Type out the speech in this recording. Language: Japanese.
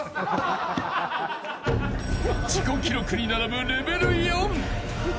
［自己記録に並ぶレベル４］